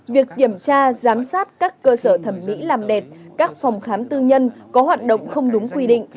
việc kiểm tra giám sát các cơ sở thẩm mỹ làm đẹp các phòng khám tư nhân có hoạt động không đúng quy định